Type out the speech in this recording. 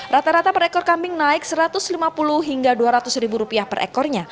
rata rata per ekor kambing naik rp satu ratus lima puluh hingga rp dua ratus ribu rupiah per ekornya